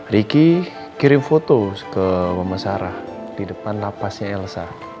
ricky kirim foto ke mama sarah di depan lapasnya elsa